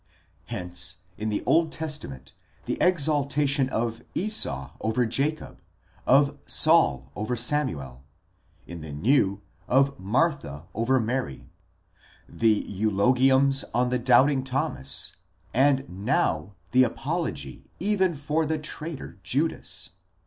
Hence, in the Old Testament, the exaltation of Esau over Jacob, of Saul over Samuel; in the New, of Martha over Mary, the eulogiums on the doubting Thomas, and now the apology even for the traitor Judas.